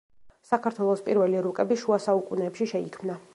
საქართველოს პირველი რუკები შუასაუკუნეებში შეიქმნა.